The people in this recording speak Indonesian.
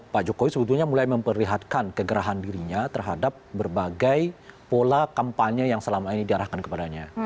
pak jokowi sebetulnya mulai memperlihatkan kegerahan dirinya terhadap berbagai pola kampanye yang selama ini diarahkan kepadanya